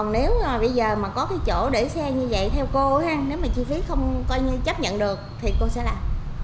nếu mà bây giờ có cái chỗ để xe như vậy theo cô nếu mà chi phí không coi như chấp nhận được thì cô sẽ làm